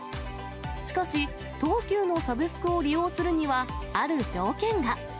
しかし、東急のサブスクを利用するには、ある条件が。